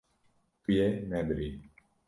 Tu yê nebirî.